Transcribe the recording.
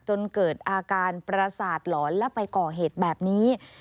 จนเกิดอาการประสาทหลอนและไปก่อเหตุแบบนี้